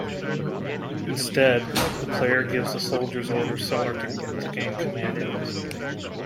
Instead the player gives the soldiers orders similar to the game "Commandos".